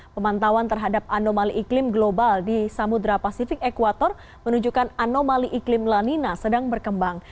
pemantauan terhadap anomali iklim global di samudera pasifik ekuator menunjukkan anomali iklim lanina sedang berkembang